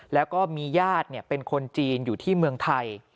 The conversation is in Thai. แล้วก็มีญาติเป็นคนจีนอยู่ที่เมืองไทย